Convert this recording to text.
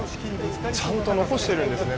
ちゃんと残してるんですね